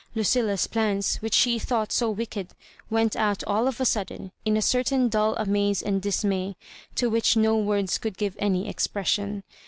Lucilla's plans, which she thought so wicked, went out all of a sudden, in a certain dull amaze and dismay, to which no words could give any expression.